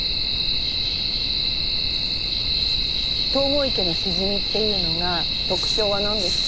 東郷池のしじみっていうのが特徴は何ですか？